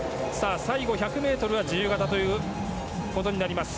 最後１００ｍは自由形ということになります。